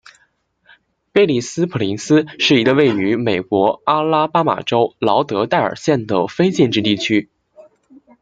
贝利斯普林斯是一个位于美国阿拉巴马州劳德代尔县的非建制地区。